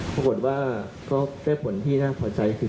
ปรากฏว่าก็ได้ผลที่น่าพอใจคือ